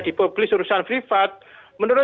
dipublis urusan privat menurut